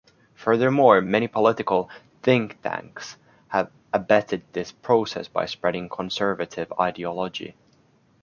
Furthermore, many political think-tanks have abetted this process by spreading conservative ideology.